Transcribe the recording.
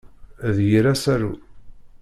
D yir asaru.